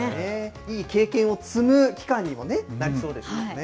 いい経験を積む機会にもなりそうですよね。